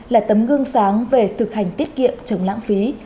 là tấm gương sáng về thực hành tiết kiệm chống lãng phí